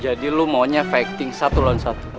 lo maunya fighting satu lawan satu